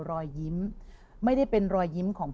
รอยยิ้มไม่ได้เป็นรอยยิ้มของพ่อ